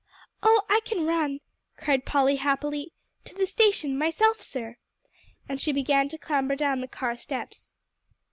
"Oh, I can run," cried Polly happily, "to the station myself, sir," and she began to clamber down the car steps.